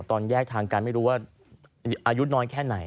ตอนแยกทางกันไม่รู้ว่าอายุน้อยแค่ไหน